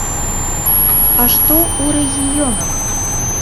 А што ў рэгіёнах?